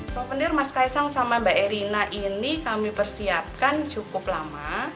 souvenir mas kaisang sama mbak erina ini kami persiapkan cukup lama